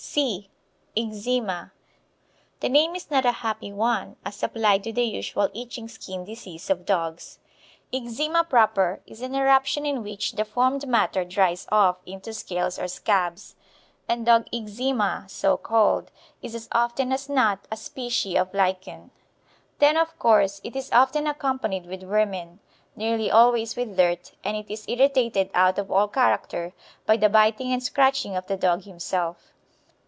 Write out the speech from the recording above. (c) Eczema. The name is not a happy one as applied to the usual itching skin disease of dogs. Eczema proper is an eruption in which the formed matter dries off into scales or scabs, and dog eczema, so called, is as often as not a species of lichen. Then, of course, it is often accompanied with vermin, nearly always with dirt, and it is irritated out of all character by the biting and scratching of the dog himself.